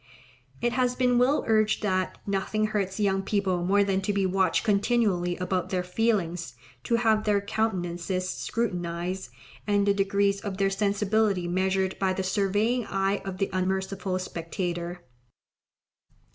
It has been well urged that "nothing hurts young people more than to be watched continually about their feelings, to have their countenances scrutinized, and the degrees of their sensibility measured by the surveying eye of the unmerciful spectator.